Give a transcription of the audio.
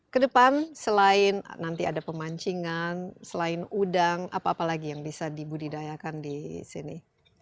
kedepan selain nanti ada pemancingan selain udang apa apa lagi yang bisa dibudidayakan di sini